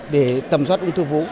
để tẩm soát ung thư vú